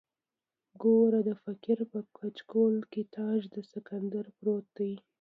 ګوره د فقیر په کچکول کې تاج د سکندر پروت دی.